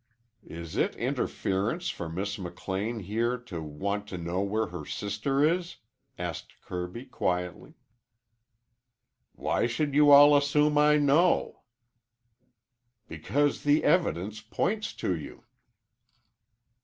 "Is it interference for Miss McLean here to want to know where her sister is?" asked Kirby quietly. "Why should you all assume I know?" "Because the evidence points to you."